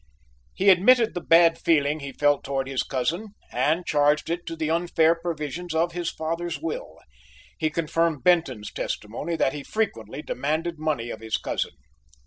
He admitted the bad feeling he felt towards his cousin and charged it to the unfair provisions of his father's will. He confirmed Benton's testimony that he frequently demanded money of his cousin.